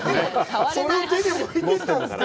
それを手でむいてたんですから。